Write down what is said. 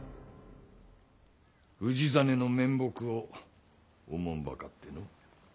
氏真の面目をおもんばかっての。